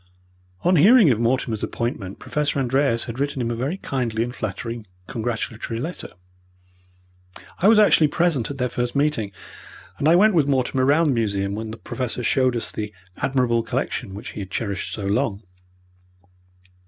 On hearing of Mortimer's appointment Professor Andreas had written him a very kindly and flattering congratulatory letter. I was actually present at their first meeting, and I went with Mortimer round the museum when the Professor showed us the admirable collection which he had cherished so long.